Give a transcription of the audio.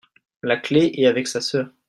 la clé est avec sa sœur.